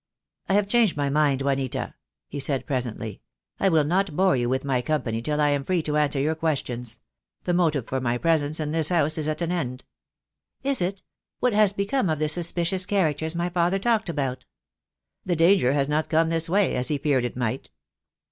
"I have changed my mind, Juanita," he said presently. "I will not bore you with my company till I am free to answer your questions. The motive for my presence in this house is at an end." "Is it? What has become of the suspicious characters my father talked about?" "The danger has not come this way — as he feared it might."